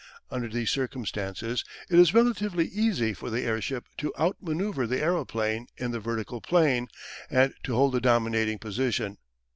Under these circumstances it is relatively easy for the airship to outmanoeuvre the aeroplane in the vertical plane, and to hold the dominating position.